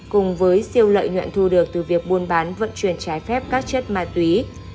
cùng với siêu lợi nhuận thu được từ việc buôn bán vận chuyển trái phép các chất ma túy